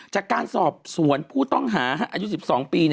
จากการสอบสวนผู้ต้องหาอายุ๑๒ปี